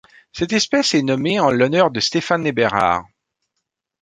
Cette espèce est nommée en l'honneur de Stefan Eberhard.